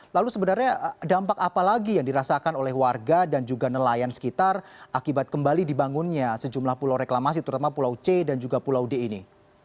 lalu sebenarnya dampak apa lagi yang dirasakan oleh warga dan juga nelayan sekitar akibat kembali dibangunnya sejumlah pulau reklamasi terutama pulau c dan juga pulau d ini